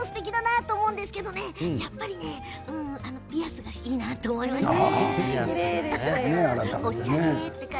なんでもすてきだなと思うんですけれどもやっぱりピアスがいいなと思いましたね。